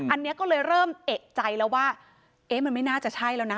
อันนี้ก็เลยเริ่มเอกใจแล้วว่าเอ๊ะมันไม่น่าจะใช่แล้วนะ